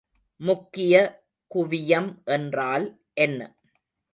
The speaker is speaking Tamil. முக்கிய குவியம் என்றால் என்ன?